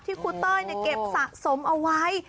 ครูเต้ยเก็บสะสมเอาไว้